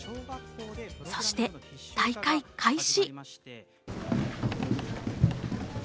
そして大会開始。